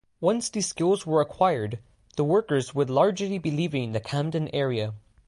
Once the skills were acquired, the workers would largely be leaving the Camden area.